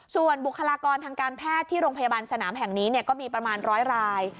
ส่วนบุคลากรทางการแพทย์ที่โรงพยาบาลสนามแห่งนี้ก็มีประมาณร้อยราย